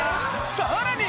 さらに！